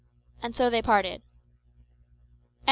And so they parted. XXII.